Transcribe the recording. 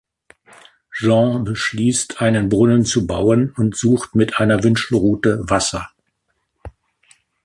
Jean beschließt, einen Brunnen zu bauen und sucht mit einer Wünschelrute Wasser.